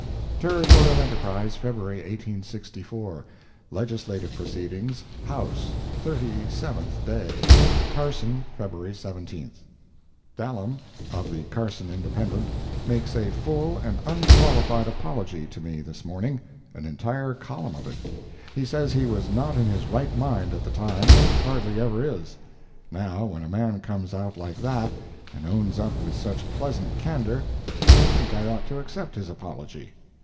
Territorial Enterprise, February 1864 LEGISLATIVE PROCEEDINGS HOUSE—THIRTY SEVENTH DAY CARSON, February 17 [Dallam, of the Carson Independent, makes a full and unqualified apology to me this morning—an entire column of it. He says he was not in his right mind at the time, and hardly ever is. Now, when a man comes out like that, and owns up with such pleasant candor, I think I ought to accept his apology.